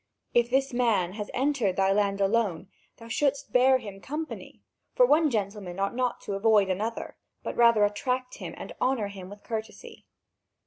If this man has entered thy land alone, thou shouldst bear him company, for one gentleman ought not to avoid another, but rather attract him and honour him with courtesy.